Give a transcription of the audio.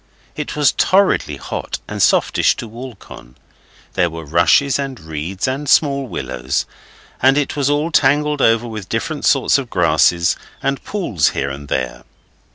It was torridly hot, and softish to walk on. There were rushes and reeds and small willows, and it was all tangled over with different sorts of grasses and pools here and there.